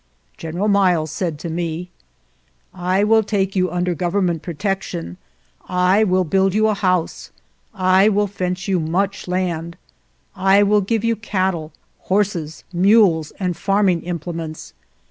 Gen eral Miles said to me : 6 "I will take you under Government protection; I will build you a house; I will fence you much land; I will give you cattle, horses, mules, and farming implements.